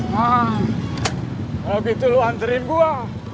kalau gitu lu anterin gua